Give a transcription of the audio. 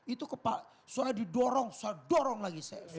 itu kepala suruhnya didorong suruhnya dorong lagi saya